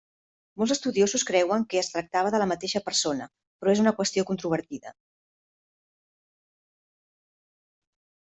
Molts estudiosos creuen que es tractava de la mateixa persona, però és una qüestió controvertida.